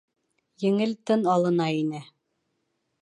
Еңел тын алына ине.